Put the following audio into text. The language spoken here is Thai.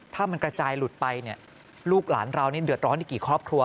ถ้ามันกระจายหลุดไปเนี่ยลูกหลานเรานี่เดือดร้อนอีกกี่ครอบครัว